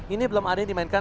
ini belum ada yang dimainkan